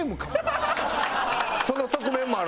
その側面もあるな。